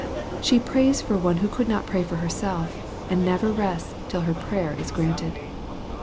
She prays for one who could not pray for herself, and never rests till her prayer is granted.